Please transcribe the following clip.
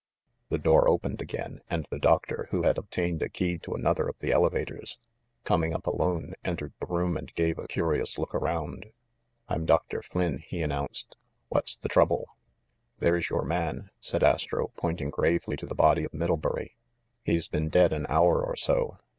The door opened again, and the doctor, who had obtained a key to another of the elevators, coming up THE MIDDLEBURY MURDER 399 alone, entered the room and gave a curious look around. i "I'm Doctor Flynn," he announced. "What's the trouble?" "There's your man," said Astro, pointing gravely to the body of Middlebury. "He's been dead an hour or so.